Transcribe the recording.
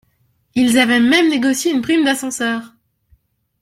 Ils avaient même négocié une prime d'ascenseur.